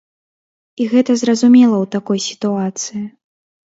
І гэта зразумела ў такой сітуацыі.